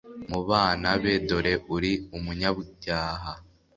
mu bana be. dore uri umunyabyaha